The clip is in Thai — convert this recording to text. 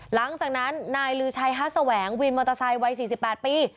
หลังจากนั้นนายลือชัยฮัสแสวงวินมอเตอร์ไซค์วัย๔๘ปี